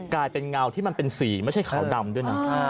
เงาที่มันเป็นสีไม่ใช่ขาวดำด้วยนะ